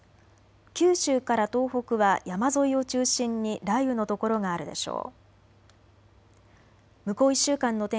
九州から東北は山沿いを中心に雷雨の所があるでしょう。